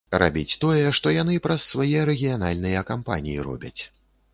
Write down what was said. Рабіць тое, што яны праз свае рэгіянальныя кампаніі робяць.